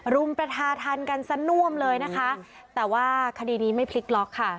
รุมประชาธรรมกันซะน่วมเลยนะคะแต่ว่าคดีนี้ไม่พลิกล็อกค่ะ